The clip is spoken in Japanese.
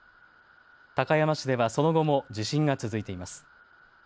高山市ではその後も地震が続いています。